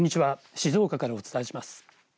静岡からお伝えします。